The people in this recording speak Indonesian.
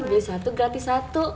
beli satu gratis satu